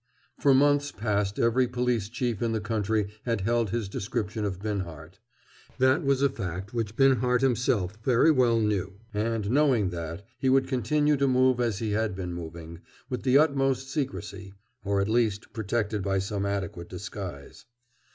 For months past every police chief in the country had held his description of Binhart. That was a fact which Binhart himself very well knew; and knowing that, he would continue to move as he had been moving, with the utmost secrecy, or at least protected by some adequate disguise.